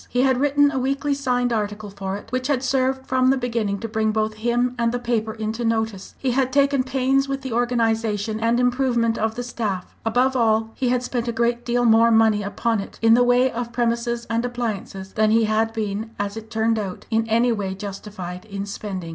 He had written a weekly signed article for it, which had served from the beginning to bring both him and the paper into notice; he had taken pains with the organisation and improvement of the staff; above all, he had spent a great deal more money upon it, in the way of premises and appliances, than he had been, as it turned out, in any way justified in spending.